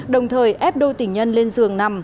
đồng thời ép đôi tình nhân lên giường nằm